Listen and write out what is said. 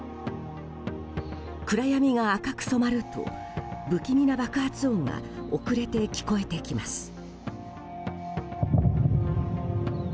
暗闇が赤く染まると不気味な爆発音が遅れて聞こえてきます。